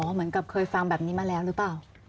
เหมือนกับเคยฟังแบบนี้มาแล้วหรือเปล่า